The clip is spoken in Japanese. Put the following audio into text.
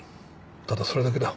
ただそれだけだ。